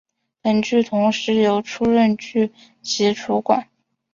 本剧同时由出任剧集主管。